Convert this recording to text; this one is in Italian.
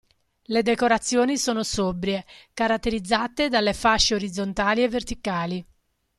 Le decorazioni sono sobrie, caratterizzate dalle fasce orizzontali e verticali.